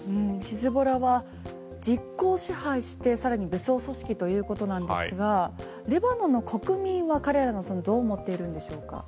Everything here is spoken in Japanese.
ヒズボラは実効支配してさらに武装組織ということなんですがレバノンの国民は彼らのことをまずですね